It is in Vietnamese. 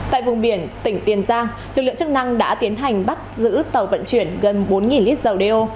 tại vùng biển tỉnh tiền giang lực lượng chức năng đã tiến hành bắt giữ tàu vận chuyển gần bốn lít dầu đeo